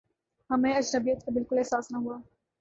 ہمیں اجنبیت کا بالکل احساس نہ ہوا